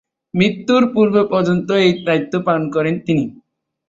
মৃত্যুর পূর্ব-পর্যন্ত এ দায়িত্ব পালন করেন তিনি।